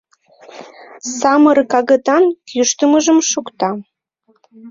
Самырык агытан кӱштымыжым шукта.